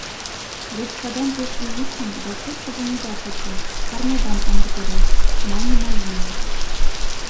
— Ручкадам пеш ӱлычын да чоткыдын ида кучо, парнядам амыртеда, — мане Мальвина.